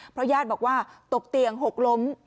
เพราะญาติบอกว่าตกเตียงหกล้ม